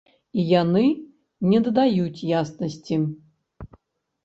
І яны не дадаюць яснасці.